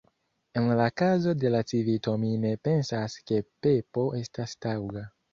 En la kazo de la Civito mi ne pensas ke Pepo estas taŭga.